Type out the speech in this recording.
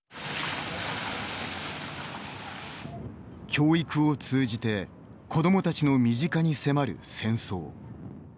教育を通じて子どもたちの身近に迫る戦争。